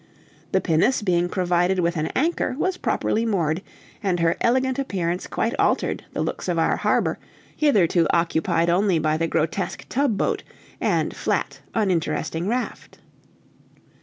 The pinnace being provided with an anchor, was properly moored, and her elegant appearance quite altered the looks of our harbor, hitherto occupied only by the grotesque tub boat, and flat, uninteresting raft.